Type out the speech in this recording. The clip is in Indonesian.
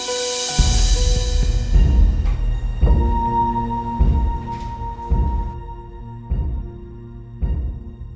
itu yang kamu mau